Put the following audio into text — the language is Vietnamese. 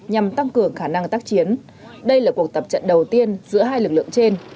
nhằm tăng cường khả năng tác chiến đây là cuộc tập trận đầu tiên giữa hai lực lượng trên